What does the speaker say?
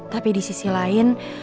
tapi di sisi lain